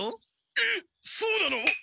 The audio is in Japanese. えっそうなの？